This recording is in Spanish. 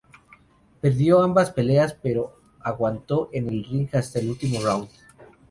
Perdió ambas peleas pero aguantó en el ring hasta el último round.